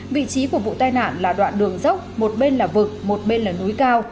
vị trí của vụ tai nạn là đoạn đường dốc một bên là vực một bên là núi cao